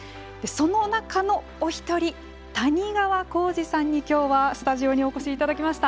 その中のお一人、谷川浩司さんに今日はスタジオにお越しいただきました。